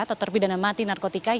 atau terpidana mati narkotika